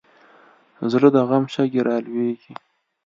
زړه د غم شګې رالوېږي.